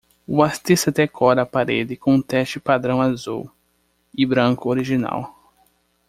O artista decora a parede com um teste padrão azul e branco original.